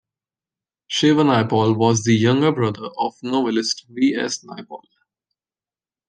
Shiva Naipaul was the younger brother of novelist V. S. Naipaul.